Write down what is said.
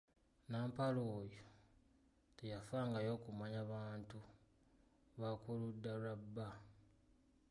Nnampala oyo teyafangayo kumanya bantu ba ku ludda lwa bba.